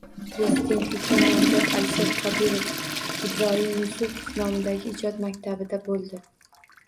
Prezidentlikka nomzod Alisher Qodirov Ibroyim Yusupov nomidagi ijod maktabida bo‘ldi